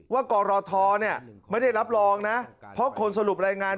ว่ากรทอเนี่ยไม่ได้รับรองนะเพราะคนสรุปรายงาน